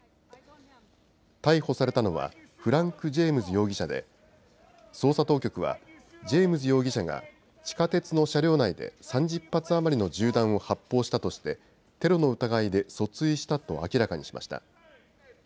逮捕されたのはフランク・ジェームズ容疑者で捜査当局はジェームズ容疑者が地下鉄の車両内で３０発余りの銃弾を発砲したとしてテロの疑いで訴追したと明らかにしました。